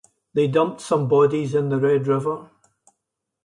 They dumped some bodies in the Red River.